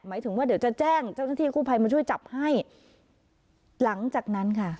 หมายถึงว่าเดี๋ยวจะแจ้งเจ้าหน้าที่กู้ภัยมาช่วยจับให้หลังจากนั้นค่ะ